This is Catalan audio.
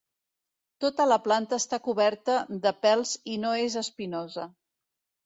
Tota la planta està coberta de pèls i no és espinosa.